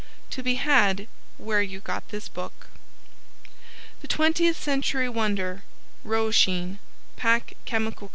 To Be Had Where You Got This Book THE 20th CENTURY WONDER Roachine Pack Chemical Co.